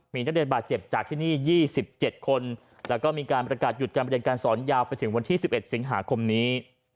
มีนักเรียนบาดเจ็บจากที่นี่๒๗คนแล้วก็มีการประกาศหยุดการเรียนการสอนยาวไปถึงวันที่๑๑สิงหาคมนี้